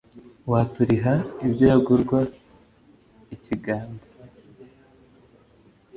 waturiha ibyo yagurwa i kiganda